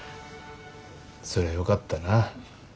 そりゃよかったな。